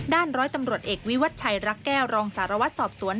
ร้อยตำรวจเอกวิวัชชัยรักแก้วรองสารวัตรสอบสวน